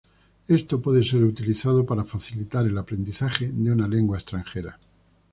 Esto puede ser utilizado para facilitar el aprendizaje de una lengua extranjera.